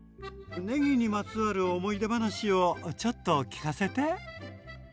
ねぎにまつわる思い出話をちょっと聞かせて？